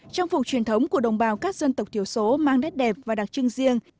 trang phục truyền thống của đồng bào các dân tộc thiểu số mang nét đẹp và đặc trưng riêng